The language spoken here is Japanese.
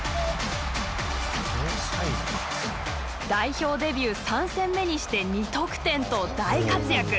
代表デビュー３戦目にして２得点と大活躍。